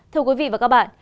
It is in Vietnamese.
thưa quý vị và các bạn